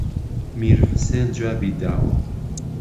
میرحوسێن جوابی داوه